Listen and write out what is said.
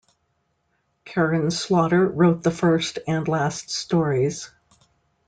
Karin Slaughter wrote the first and last stories.